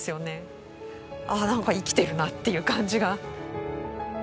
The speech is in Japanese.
ああなんか生きてるなっていう感じが。